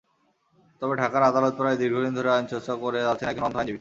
তবে ঢাকার আদালতপাড়ায় দীর্ঘদিন ধরে আইনচর্চা করে যাচ্ছেন একজন অন্ধ আইনজীবী।